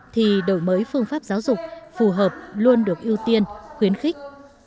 thì đổi mới phương pháp giáo dục phù hợp luôn được ưu tiên khuyến khích